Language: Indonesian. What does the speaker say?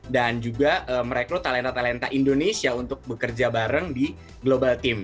dan juga merekrut talenta talenta indonesia untuk bekerja bareng di global team